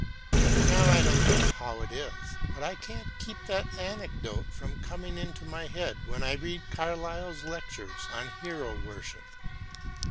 Now I don't know how it is, but I can't keep that anecdote from coming into my head when I read Carlyle's Lectures on Hero Worship.